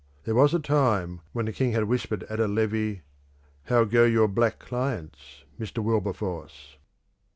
There was a time when the king had whispered at a levee, "How go on your black clients, Mr. Wilberforce?"